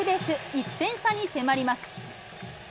１点差に迫ります。